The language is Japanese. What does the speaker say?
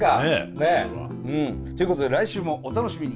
ねえ。ということで来週もお楽しみに。